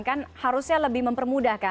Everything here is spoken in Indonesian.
kan harusnya lebih mempermudahkan